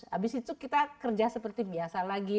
habis itu kita kerja seperti biasa lagi